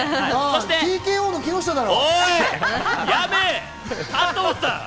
ＴＫＯの木下だろ？